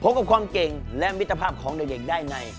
พบกับความเก่งและวิธยภาพของเดียวเองได้ใน